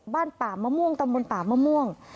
บ้านป่ามะม่วงตำบลป่ามะม่วง